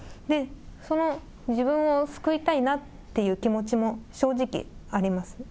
その自分を救いたいなっていう気持ちも正直あります。